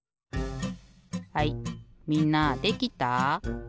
はいみんなできた？